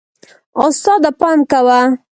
استاده، پام کوه.